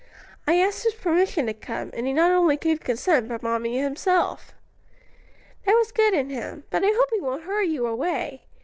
I asked his permission to come, and he not only gave consent but brought me himself." "That was good in him; but I hope he won't hurry you away.